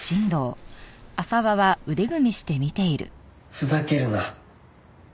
ふざけるな。